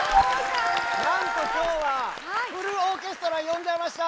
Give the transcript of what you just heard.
なんと今日はフルオーケストラ呼んじゃいました！